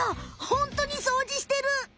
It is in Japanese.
ホントにそうじしてる！